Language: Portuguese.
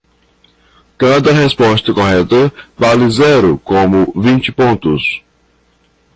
Cada resposta correta vale zero como vinte pontos.